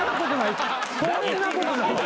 そんなことない。